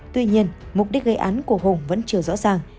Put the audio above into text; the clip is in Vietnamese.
tuy nhiên mục đích gây án của hùng vẫn chưa rõ ràng